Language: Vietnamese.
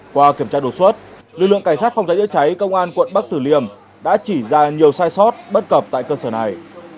qua kiểm tra đột xuất lực lượng cảnh sát phòng cháy chữa cháy công an quận bắc tử liêm đã chỉ ra nhiều sai sót bất cập tại cơ sở này